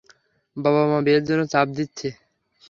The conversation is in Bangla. বাবা মা বিয়ের জন্যে চাপ দিচ্ছে।